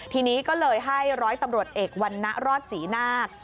ทีนี้ก็เลยให้ร้อยตำรวจเอกวันนะรอดศรีนาค